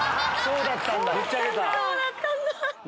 そうだったんだ。